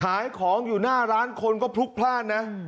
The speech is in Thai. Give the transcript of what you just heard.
ขายของอยู่หน้าร้านคนก็พลุกพลาดนะ